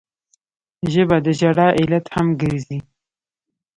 ژبه د ژړا علت هم ګرځي